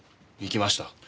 行きました。